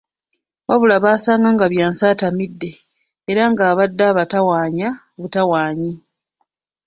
Wabula baasanga nga Byansi atamidde, era ng'abadde abatawaanya butawaanyi.